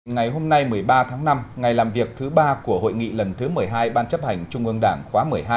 ngày hôm nay một mươi ba tháng năm ngày làm việc thứ ba của hội nghị lần thứ một mươi hai ban chấp hành trung ương đảng khóa một mươi hai